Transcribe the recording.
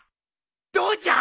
どうじゃ！